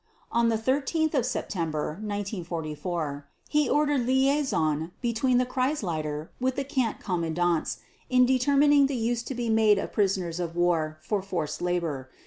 And on 13 September 1944 he ordered liaison between the Kreisleiter with the camp commandants in determining the use to be made of prisoners of war for forced labor.